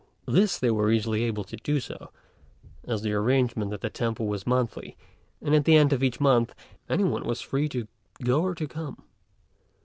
This they were easily able to do, as the arrangement at the temple was monthly, and at the end of each month anyone was free to go or to come.